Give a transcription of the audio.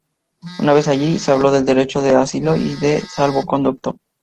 Una vez allí, se habló del derecho de asilo y de un salvoconducto.